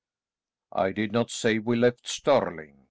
"I did not say we left Stirling.